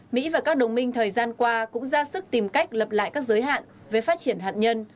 mỹ và các đồng minh thời gian qua cũng ra sức tìm cách lập lại các giới hạn về phát triển hạt nhân